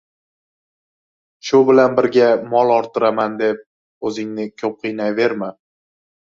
Shu bilan birga mol orttiraman, deb o‘zingni ko‘p qiynaverma.